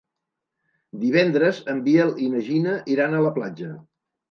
Divendres en Biel i na Gina iran a la platja.